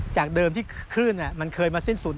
จากเดิมที่คลื่นมันเคยมาสิ้นสุด